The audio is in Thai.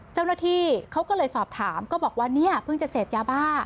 เจ้าหน้าที่เขาก็เลยสอบถามก็บอกว่าเนี่ยเพิ่งจะเสพยาบ้า